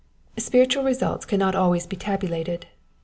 '" Spiritual results cannot always be tabulated.